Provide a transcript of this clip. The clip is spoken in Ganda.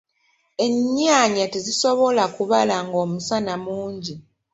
Ennyaanya tezisobola kubala ng'omusana mungi.